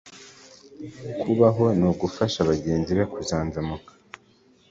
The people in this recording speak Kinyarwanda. kubaho no gufasha bagenzi be kuzanzamuka